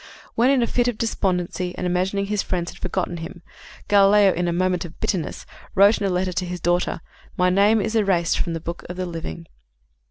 While in a fit of despondency and imagining his friends had forgotten him, Galileo, in a moment of bitterness, wrote in a letter to his daughter: "My name is erased from the book of the living."